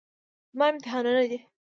زما امتحانونه دي.